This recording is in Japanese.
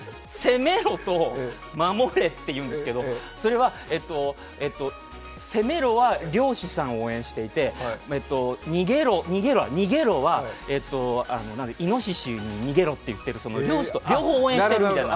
攻めろと逃げろと言うんですけど、攻めろは猟師さんを応援していて逃げろはいのししに逃げろって言ってる、両方応援してるみたいな。